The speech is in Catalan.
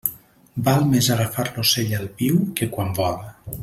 Val més agafar l'ocell al niu que quan vola.